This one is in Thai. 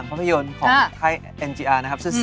เชฟเคยอยู่ในวงการมาก่อน